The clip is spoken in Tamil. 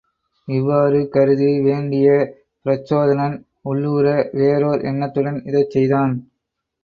இவ்வாறு கருதி வேண்டிய பிரச்சோதனன் உள்ளூற வேறோர் எண்ணத்துடன் இதைச் செய்தான்.